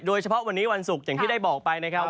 โดยเฉพาะวันนี้วันศุกร์อย่างที่ได้บอกไปนะครับ